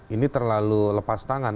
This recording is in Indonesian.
ini terlalu lepas tangan